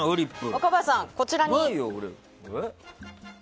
若林さん、こちらに。